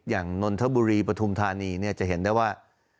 อย่างอนร์ทบุรีประธุมธานีเนี่ยจะเห็นได้ว่า